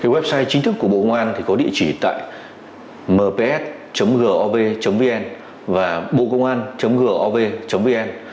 website chính thức của bộ công an có địa chỉ tại mps gov vn và bocôngan gov vn